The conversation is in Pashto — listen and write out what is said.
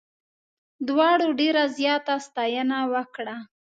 دواړو ډېره زیاته ستاینه وکړه.